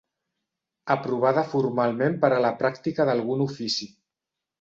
Aprovada formalment per a la pràctica d'algun ofici.